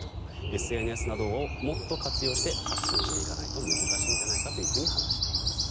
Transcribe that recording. ＳＮＳなどをもっと活用して発信していかないと難しいんじゃないかと話しています。